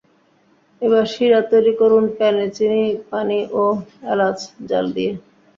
এবার সিরা তৈরি করুন প্যানে চিনি, পানি ও এলাচ জ্বাল দিয়ে।